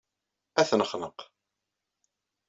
Ad t-nexneq.